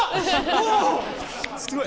おすごい。